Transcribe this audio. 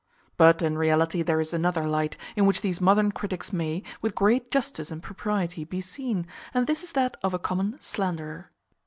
But in reality there is another light, in which these modern critics may, with great justice and propriety, be seen; and this is that of a common slanderer.